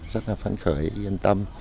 rất là phân khởi yên tâm